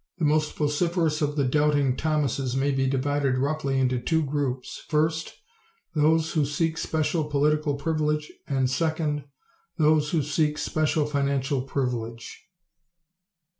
The most vociferous of the Doubting Thomases may be divided roughly into two groups: First, those who seek special political privilege and, second, those who seek special financial privilege.